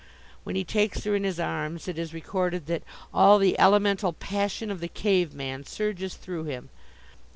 When he takes her in his arms it is recorded that "all the elemental passion of the cave man surges through him."